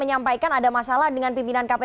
apa maksudnya itu